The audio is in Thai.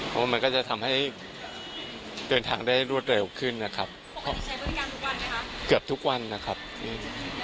รู้ไหมค่ะว่ามันจะกลับมาเป็นปัญหาพรุ่นเดิมเหมือนเมื่อวันนี้